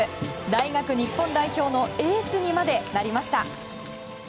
大学日本代表のエースにまでなりました。